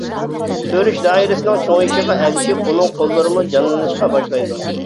كۆرۈش دائىرىسىنىڭ چوڭىيىشىغا ئەگىشىپ ئۇنىڭ قوللىرىمۇ جانلىنىشقا باشلايدۇ.